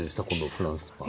フランスパン。